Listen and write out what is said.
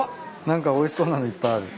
何かおいしそうなのいっぱいある。